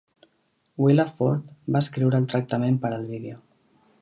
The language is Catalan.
Willa Ford va escriure el tractament per al vídeo.